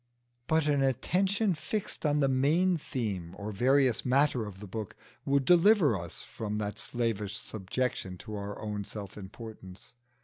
But an attention fixed on the main theme or various matter of the book would deliver us from that slavish subjection to our own self importance.